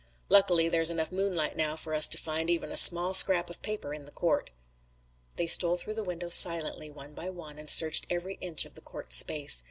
Luckily there's enough moonlight now for us to find even a small scrap of paper in the court." They stole through the window silently, one by one, and searched every inch of the court's space.